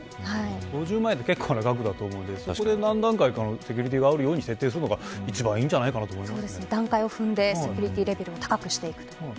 ５０万円って結構な額だと思うので何回かのセキュリティーがあるように設定するのが一番いいと思います。